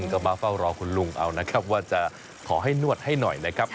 ก็มาเฝ้ารอคุณลุกขอให้เนวตให้หน่อย